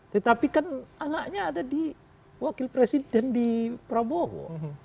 tetapi kan anaknya ada di wakil presiden di prabowo